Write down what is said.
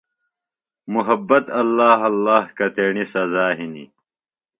محبت ﷲ ﷲ کتیݨی سزا ہِنیۡ۔